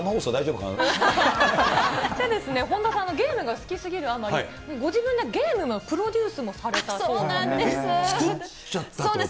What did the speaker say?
本田さん、ゲームが好きすぎるあまり、ご自分でゲームのプロデュースもされたそうなんです。